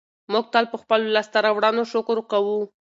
موږ تل په خپلو لاسته راوړنو شکر کوو.